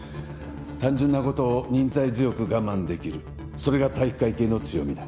単純な事を忍耐強く我慢できるそれが体育会系の強みだ。